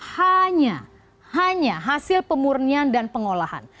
hanya hanya hasil pemurnian dan pengolahan